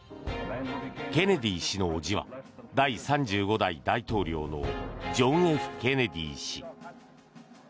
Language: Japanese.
ケネディ氏の叔父は第３５代大統領のジョン・Ｆ・ケネディ氏。